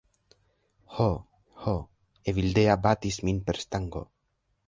"Ho, ho... Evildea batis min per stango!"